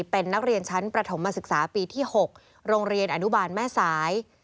เป็นนักเรียนชั้นประถมมาศึกษาปีที่๖โรงเรียนอนุบาลแม่สาย